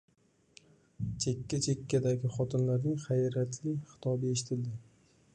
Chekka- chekkadagi xotinlarning hayratli xitobi eshitildi: